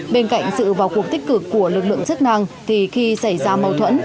bên cạnh sự vào cuộc tích cực của lực lượng chức năng thì khi xảy ra mâu thuẫn